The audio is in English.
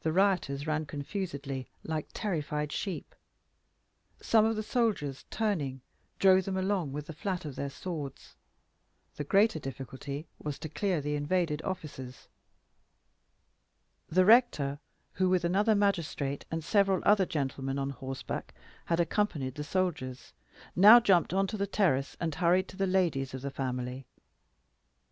The rioters ran confusedly, like terrified sheep. Some of the soldiers, turning, drove them along with the flat of their swords. The greater difficulty was to clear the invaded offices. The rector, who with another magistrate and several other gentlemen on horseback had accompanied the soldiers, now jumped on to the terrace, and hurried to the ladies of the family.